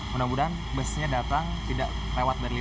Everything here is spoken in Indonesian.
mudah mudahan busnya datang tidak lewat dari lima